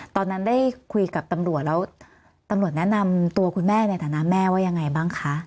ตอนนั้นได้คุยกับตำรวจแล้วตำรวจแนะนำตัวคุณแม่ในฐานะแม่ว่ายังไงบ้างคะ